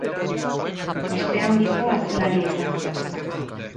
Ospe handiko atzelaria izan zen.